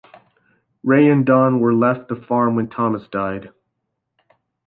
Ray and Don were left the farm when Thomas died.